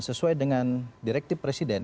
sesuai dengan direktif presiden